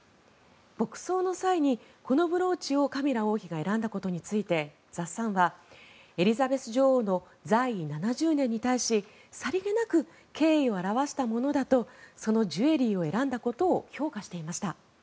国葬の際にこのブローチをカミラ王妃が選んだことについてザ・サンはエリザベス女王の在位７０年に対しさりげなく敬意を表したものだとそのジュエリーを選んだことを評価していました。